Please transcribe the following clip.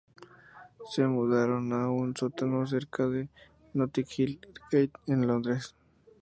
Se mudaron a un sótano cerca de Notting Hill Gate en Londres.